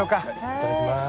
いただきます。